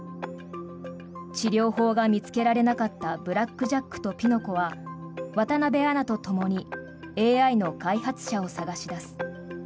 治療法が見つけられなかったブラック・ジャックとピノコは渡辺アナとともにＡＩの開発者を探し出す。